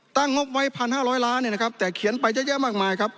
งบไว้๑๕๐๐ล้านเนี่ยนะครับแต่เขียนไปเยอะแยะมากมายครับ